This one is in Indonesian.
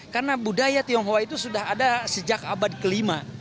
karena budaya tionghoa itu sudah ada sejak abad kelima